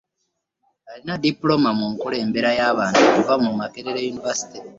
Alina ddipulooma mu nkulembera y'abantu okuva mu Makerere Yunivasite